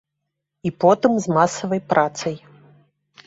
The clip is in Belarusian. І потым з масавай працай.